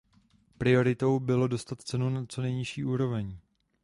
Prioritou bylo dostat cenu na co nejnižší úroveň.